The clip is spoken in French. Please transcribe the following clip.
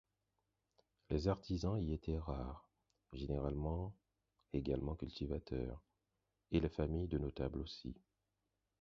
Les artisans y étaient rares, généralement également cultivateurs, et les familles de notables aussi.